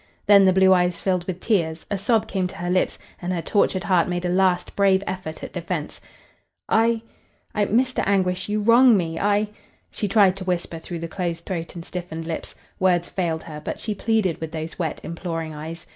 Then the blue eyes filled with tears, a sob came to her lips, and her tortured heart made a last, brave effort at defense. "I I Mr. Anguish, you wrong me, I I " She tried to whisper through the closed throat and stiffened lips. Words failed her, but she pleaded with those wet, imploring eyes.